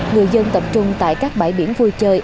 người dân tập trung tại các bãi biển vui chơi